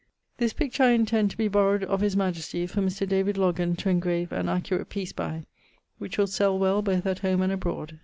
[CXII.] This picture I intend to be borrowed of his majesty, for Mr. Loggan to engrave an accurate piece by, which will sell well both at home and abroad.